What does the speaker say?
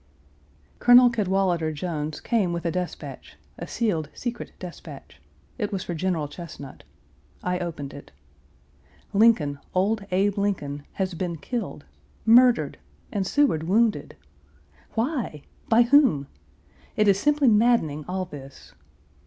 Colonel Cadwallader Jones came with a despatch, a sealed secret despatch. It was for General Chesnut. I opened it. Lincoln, old Abe Lincoln, has been killed, murdered, and Seward wounded! Why? By whom? It is simply maddening, all this.